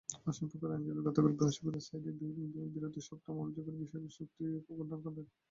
আসামিপক্ষের আইনজীবী গতকাল বৃহস্পতিবার সাঈদীর বিরুদ্ধে সপ্তম অভিযোগের বিষয়ে যুক্তি খণ্ডন করেন।